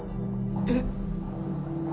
えっ。